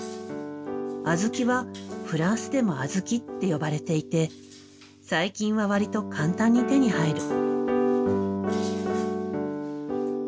小豆はフランスでも「アズキ」って呼ばれていて最近は割と簡単に手に入る。